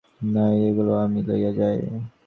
যে কাপড়গুলায় মার্কা দেওয়া হয় নাই, সেগুলা আমি লইয়া যাই।